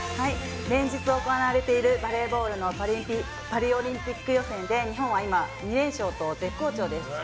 連日行われているバレーボールのパリオリンピック予選で日本は２連勝と絶好調です。